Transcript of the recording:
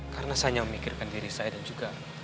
karena saya yang memikirkan diri saya dan juga